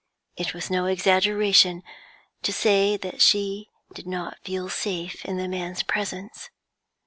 It was no exaggeration to say that she did not feel safe in the man's presence.